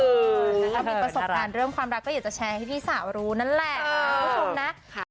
ถ้ามีประสบการณ์เริ่มความรักก็อย่าจะแชร์ให้พี่สาวรู้นั่นแหละ